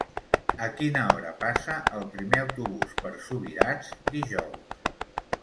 A quina hora passa el primer autobús per Subirats dijous?